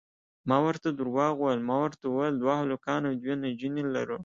ما ورته درواغ وویل، ما ورته وویل دوه هلکان او دوې نجونې لرو.